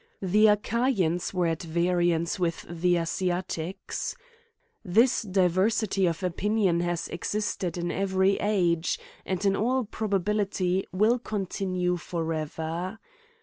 The Ach aians were at variance with the Asiatics. This diversity of opinion has existed in^every age, and, CRIMES AND PUNISHMENTS. ITi in all probability, will continue forever.